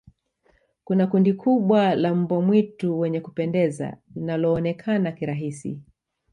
kuna kundi kubwa la mbwa mwitu wenye kupendeza linaloonekana kirahisi